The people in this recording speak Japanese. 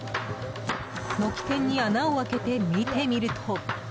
軒天に穴を開けて見てみると。